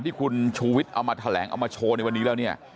ที่คุณชูวิทย์เอามาแถลงเอามาโชว์ในวันนี้แล้วเนี่ย